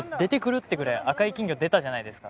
ってぐらい赤い金魚出たじゃないですか。